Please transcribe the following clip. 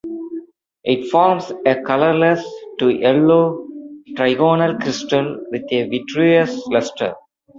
It forms a colorless to yellow trigonal crystal with a vitreous luster.